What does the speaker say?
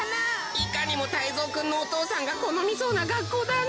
いかにもタイゾウくんのお父さんが好みそうな学校だね。